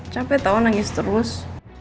capek tau nangis terus